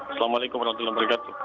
assalamualaikum wr wb